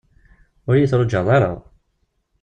Ur iyi-trujaḍ ara.